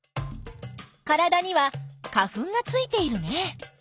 体には花粉がついているね。